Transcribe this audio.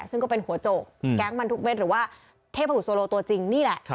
ซึ่งก็เป็นหัวโจกแก๊งบรรทุกเม็ดหรือว่าเทพบุตโซโลตัวจริงนี่แหละ